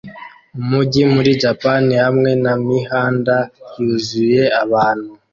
umujyi muri japan hamwe namihanda yuzuye abantu